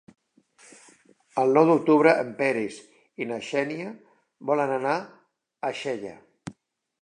El nou d'octubre en Peris i na Xènia volen anar a Xella.